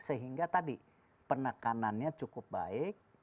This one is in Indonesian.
sehingga tadi penekanannya cukup baik